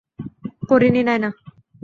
পড়ি নি, নায়না!